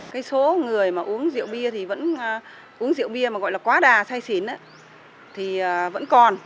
cái số người mà uống rượu bia thì vẫn uống rượu bia mà gọi là quá đà say xỉn thì vẫn còn